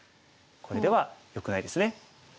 これではよくないですね。